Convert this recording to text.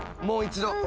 もう一度！